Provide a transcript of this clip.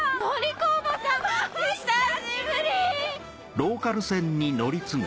久しぶり！